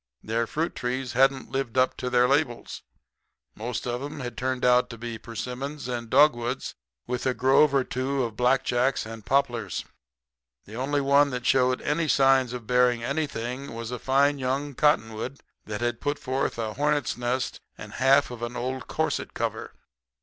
"Their fruit trees hadn't lived up to their labels. Most of 'em had turned out to be persimmons and dogwoods, with a grove or two of blackjacks and poplars. The only one that showed any signs of bearing anything was a fine young cottonwood that had put forth a hornet's nest and half of an old corset cover.